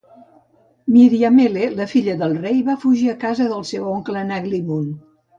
Miriamele, la filla del rei, va fugir a casa del seu oncle a Naglimund.